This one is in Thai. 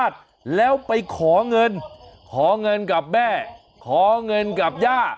เตะท่ออยู่มั้ยเนี่ย